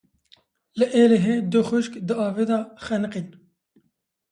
Li Êlihê du xwişk di avê de xeniqîn.